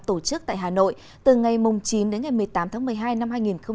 tổ chức tại hà nội từ ngày chín đến ngày một mươi tám tháng một mươi hai năm hai nghìn hai mươi